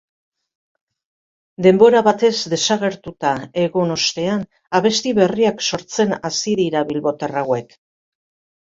Denbora batez desagertuta egon ostean, abesti berriak sortzen hasi dira bilbotar hauek.